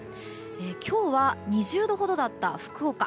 今日は２０度ほどだった福岡。